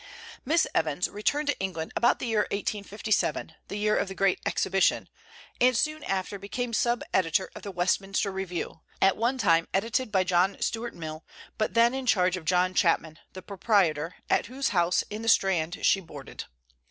Miss Evans returned to England about the year 1857, the year of the Great Exhibition, and soon after became sub editor of the "Westminster Review," at one time edited by John Stuart Mill, but then in charge of John Chapman, the proprietor, at whose house, in the Strand, she boarded.